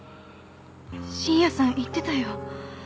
信也さん言ってたよ。